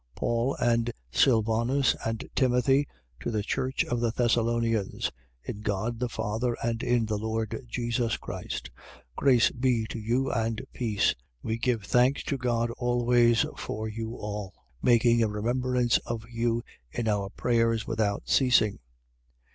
1:1. Paul and Sylvanus and Timothy to the church of the Thessalonians: in God the Father and in the Lord Jesus Christ. 1:2. Grace be to you and peace. We give thanks to God always for you all: making a remembrance of you in our prayers without ceasing, 1:3.